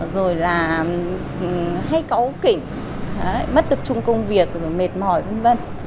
rồi là hay cấu kỉnh mất tập trung công việc rồi mệt mỏi v v